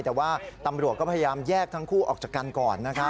แต่ว่าตำรวจก็พยายามแยกทั้งคู่ออกจากกันก่อนนะครับ